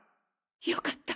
よかった！